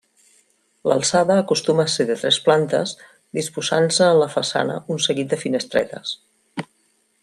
L'alçada acostuma a ser de tres plantes disposant-se en la façana un seguit de finestretes.